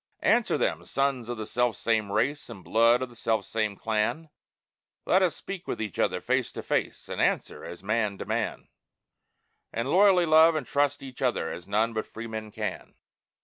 '" Answer them, sons of the selfsame race, And blood of the selfsame clan, Let us speak with each other, face to face, And answer as man to man, And loyally love and trust each other as none but free men can.